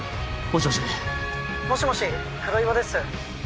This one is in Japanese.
☎もしもし黒岩です